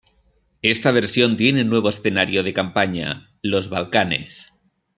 Esta versión tiene un nuevo escenario de campaña, los Balcanes.